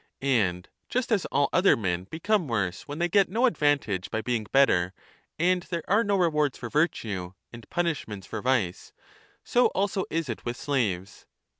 And just as all other men 5 become worse when they get no advantage by being better and there are no rewards for virtue and punishments for 1 Works and Days, 699. BOOK I. 4 6 13441 vice, so also is it with slaves.